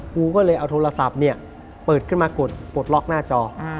กูก็เลยเอาโทรศัพท์เนี่ยเปิดขึ้นมากดล็อกหน้าจอ